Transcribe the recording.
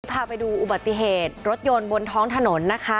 พาไปดูอุบัติเหตุรถยนต์บนท้องถนนนะคะ